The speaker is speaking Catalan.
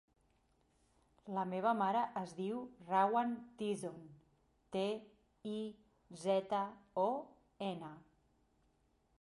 La meva mare es diu Rawan Tizon: te, i, zeta, o, ena.